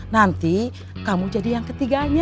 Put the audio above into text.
nanti kamu jadi yang ketiganya